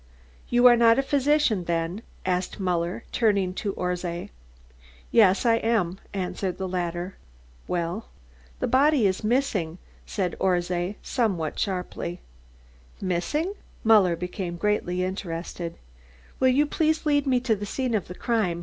"You are not a physician, then?" asked Muller, turning to Orszay. "Yes, I am," answered the latter. "Well?" "The body is missing," said Orszay, somewhat sharply. "Missing?" Muller became greatly interested. "Will you please lead me to the scene of the crime?"